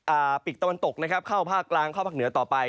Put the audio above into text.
ปีกตะวันตกนะครับเข้าภาคกลางเข้าภาคเหนือต่อไป